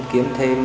học đạo chính